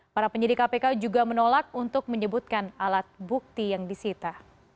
para penyidik kpk juga menolak untuk menyebutkan alat bukti yang disita